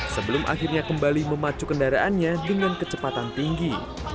sebelum akhirnya kembali memacu kendaraannya dengan kecepatan tinggi